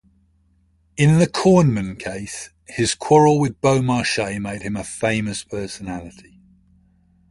In the Kornmann case, his quarrel with Beaumarchais made him a famous personality.